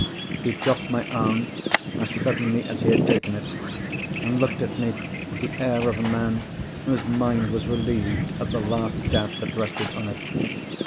He dropped my arm as suddenly as he had taken it—and looked at me with the air of a man whose mind was relieved of the last doubt that rested on it.